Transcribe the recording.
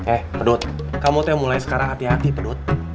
eh pedut kamu tuh mulai sekarang hati hati pedut